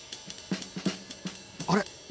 あれ？